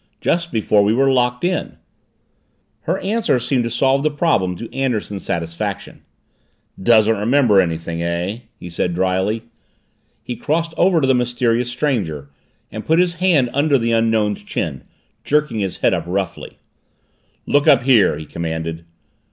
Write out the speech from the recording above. "Just before we were locked in." Her answer seemed to solve the problem to Anderson's satisfaction. "Doesn't remember anything, eh?" he said dryly. He crossed over to the mysterious stranger and put his hand under the Unknown's chin, jerking his head up roughly. "Look up here!" he commanded.